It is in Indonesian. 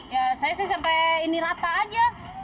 ya saya sih sampai ini rata aja